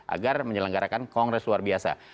agar menyelenggarakan kongres luar biasa